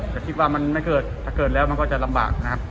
แต่คิดว่ามันไม่เกิดถ้าเกิดแล้วมันก็จะลำบากนะครับ